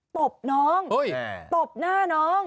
ตบน้องตบหน้าน้อง